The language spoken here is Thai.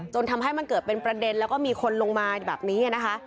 จนทำให้มันเกิดเป็นประเด็นแล้วก็มีคนลงมาแบบนี้นะคะ